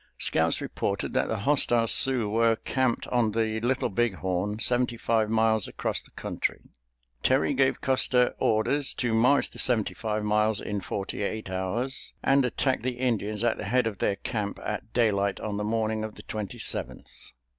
Scouts reported that the hostile Sioux were camped on the Little Big Horn, seventy five miles across the country. Terry gave Custer orders to march the seventy five miles in forty eight hours, and attack the Indians at the head of their camp at daylight on the morning of the Twenty seventh.